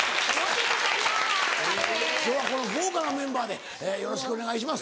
今日はこの豪華なメンバーでよろしくお願いします。